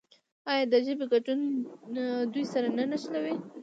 آیا د ژبې ګډون دوی سره نه نښلوي؟